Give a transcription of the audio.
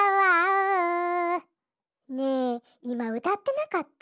ねえいまうたってなかった？